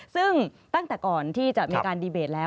ซึ่งตั้งแต่ก่อนที่จะมีการดีเบตแล้ว